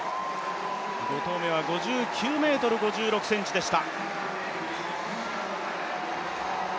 ５投目は５９ｍ５６ｃｍでした。